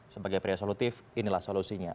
sebagai pria solutif inilah solusinya